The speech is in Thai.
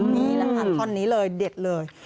นี่แหละค่ะท่อนนี้เลยเด็ดเลย